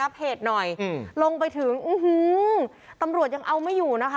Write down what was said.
อัพเพจหน่อยอืมลงไปถึงอื้อหือตำรวจยังเอาไม่อยู่นะคะ